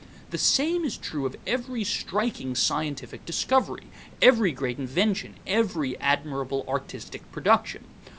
The same is true of every striking scientific discovery, every great invention, every admirable artistic production.